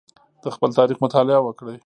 د خپل تاریخ مطالعه وکړئ.